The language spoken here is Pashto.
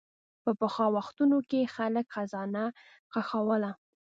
په پخوا وختونو کې خلک خزانه ښخوله.